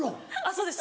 そうです